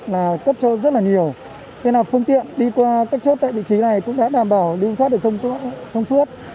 là cấp cho rất là nhiều thế là phương tiện đi qua các chốt tại vị trí này cũng đã đảm bảo lưu thoát được thông suốt